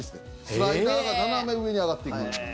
スライダーが斜め上に上がっていく。